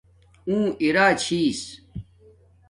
اُو اِرا چھس